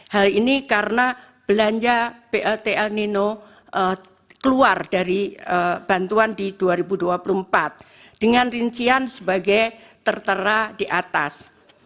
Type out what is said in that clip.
hal ini karena belanja plt el nino keluar dari bantuan di dua ribu dua puluh empat dengan rincian sebagai tertera di atas